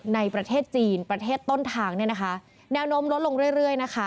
ในประเทศจีนประเทศต้นทางแนวโน้มลดลงเรื่อย